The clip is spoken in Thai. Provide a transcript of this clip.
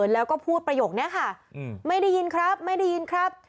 แล้วก็พูดประโยคนี้ค่ะไม่ได้ยินครับไม่ได้ยินครับ